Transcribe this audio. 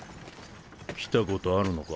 来たことあるのか？